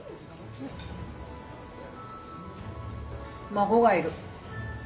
孫がいる。